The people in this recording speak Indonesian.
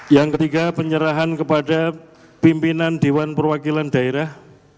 yang ketiga penyerahan kepada pimpinan dewan perwakilan daerah